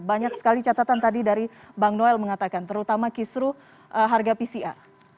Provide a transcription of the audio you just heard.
banyak sekali catatan tadi dari bang noel mengatakan terutama kisru harga pcr